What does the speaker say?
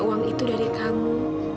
uang itu dari kamu